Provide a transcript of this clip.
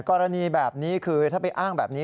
กรณีแบบนี้คือถ้าไปอ้างแบบนี้